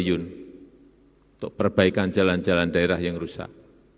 untuk perbaikan jalan jalan daerah yang rusak